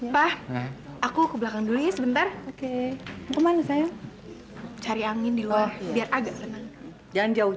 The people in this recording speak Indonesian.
masuk ke dalam cepetan cepetan